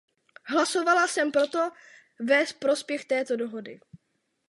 Hlasovala jsem proto ve prospěch této dohody.